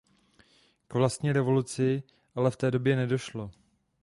K vlastní revoluci ale v té době nedošlo.